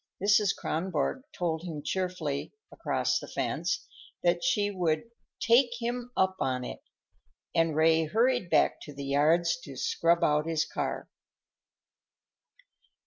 Mrs. Kronborg told him cheerfully, across the fence, that she would "take him up on it," and Ray hurried back to the yards to scrub out his car.